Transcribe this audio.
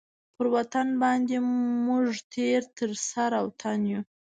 پر وطن باندي موږ تېر تر سر او تن یو.